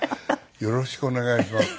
よろしくお願いします。